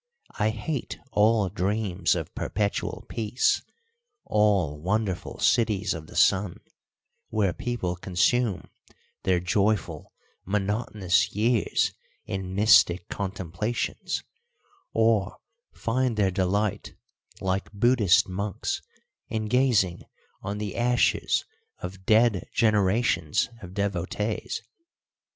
I hate all dreams of perpetual peace, all wonderful cities of the sun, where people consume their joyful, monotonous years in mystic contemplations, or find their delight, like Buddhist monks, in gazing on the ashes of dead generations of devotees.